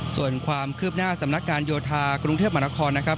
ส่วนความคืบหน้าสำนักการโยธากรุงเทพมหานครนะครับ